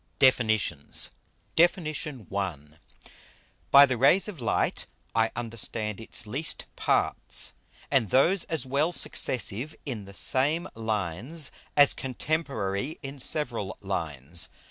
DEFINITIONS DEFIN. I. _By the Rays of Light I understand its least Parts, and those as well Successive in the same Lines, as Contemporary in several Lines.